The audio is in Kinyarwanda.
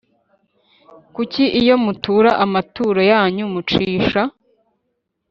Kuko iyo mutura amaturo yanyu mucisha